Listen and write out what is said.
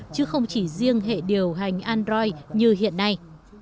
chứ không chỉ riêng hệ điều hành android như hiện nay